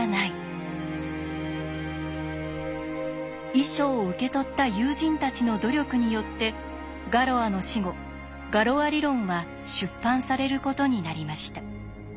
遺書を受け取った友人たちの努力によってガロアの死後ガロア理論は出版されることになりました。